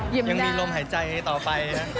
ยังมีลมหายใจต่อไป